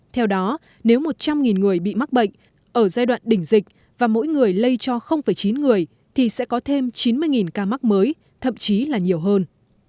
theo đó nếu một trăm linh người bị mắc bệnh ở giai đoạn đỉnh dịch và mỗi người lây cho chín người thì sẽ có thêm chín mươi ca mắc mới thậm chí là nhiều hơn